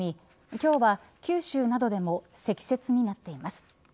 今日は九州などでも積雪になっています。